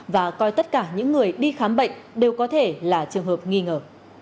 và coi tất cả những người đi khám bệnh đều có thể là trường hợp nghi ngờ